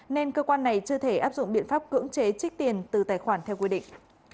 nên cơ quan này chưa thể áp dụng biện pháp cưỡng chế trích tiền từ tài khoản theo quy định